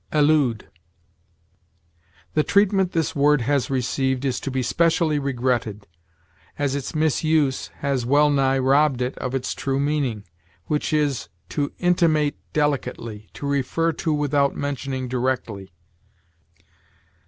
ALLUDE. The treatment this word has received is to be specially regretted, as its misuse has well nigh robbed it of its true meaning, which is, to intimate delicately, to refer to without mentioning directly.